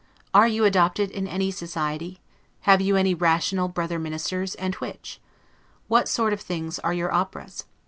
Are you adopted in any society? Have you any rational brother ministers, and which? What sort of things are your operas?